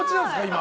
今。